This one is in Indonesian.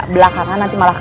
sehat ya mak